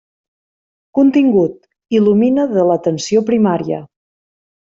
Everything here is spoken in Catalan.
Contingut: Il·lumina de l'atenció primària.